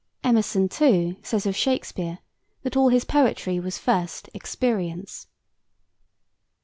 Emerson, too, says of Shakespeare, that all his poetry was first experience.